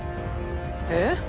えっ？